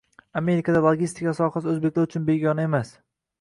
Amerikada logistika sohasi oʻzbeklar uchun begona emas.